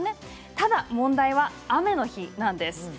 ただ問題は雨の日なんです。